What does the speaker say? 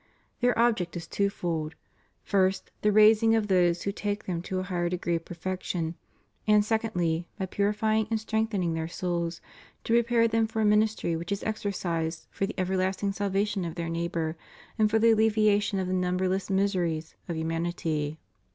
Their object is twofold: first, the raising of those who take them to a higher degree of perfection; and secondly, by purifying and strengthening their souls, to prepare them for a ministry which is exercised for the everlasting salvation of their neighbor and for the alleviation of the numberless miseries of humanity.